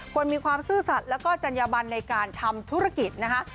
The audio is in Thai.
คนมีความซื่อสัตว์แล้วก็จัญญบันในการทำธุรกิจนะคะ